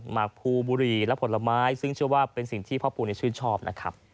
หกภูบุรีและผลไม้ซึ่งเชื่อว่าเป็นสิ่งที่พ่อปูชื่นชอบนะครับ